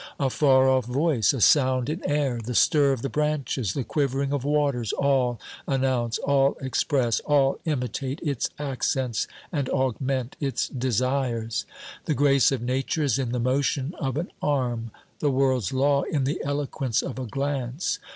A far off voice, a sound in air, the stir of the branches, the quivering of waters, all announce, all express, all imitate its accents and augment its desires. The grace of Nature is in the motion of an arm, the world's law in the eloquence of a glance.